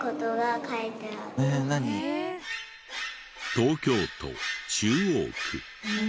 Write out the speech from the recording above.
東京都中央区。